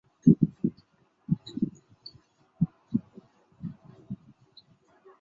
中华绣线梅为蔷薇科绣线梅属下的一个种。